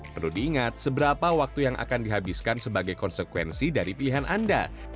perlu diingat seberapa waktu yang akan dihabiskan sebagai konsekuensi dari pilihan anda